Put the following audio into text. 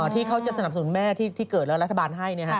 ที่เขาจะสนับสนุนแม่ที่เกิดแล้วรัฐบาลให้